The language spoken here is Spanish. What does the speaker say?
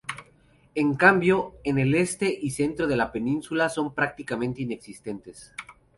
En cambio en el este y el centro de la península son prácticamente inexistentes.